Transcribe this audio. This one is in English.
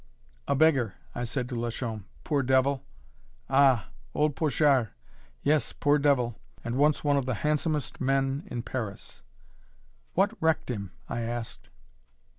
"A beggar," I said to Lachaume; "poor devil!" "Ah! old Pochard yes, poor devil, and once one of the handsomest men in Paris." "What wrecked him?" I asked.